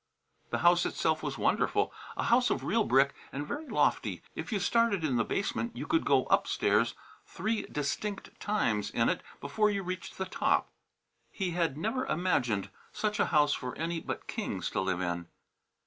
The house itself was wonderful: a house of real brick and very lofty. If you started in the basement you could go "upstairs" three distinct times in it before you reached the top. He had never imagined such a house for any but kings to live in.